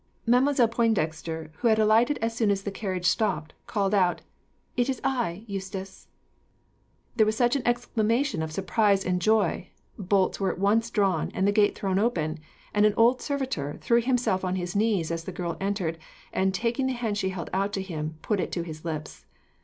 Mademoiselle Pointdexter, who had alighted as soon as the carriage stopped, called out, "It is I, Eustace." There was an exclamation of surprise and joy, bolts were at once drawn, and the gate thrown open, and an old servitor threw himself on his knees as the girl entered, and, taking the hand she held out to him, put it to his lips.